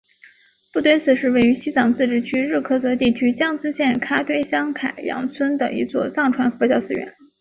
布堆寺是位于西藏自治区日喀则地区江孜县卡堆乡凯扬村的一座藏传佛教寺院。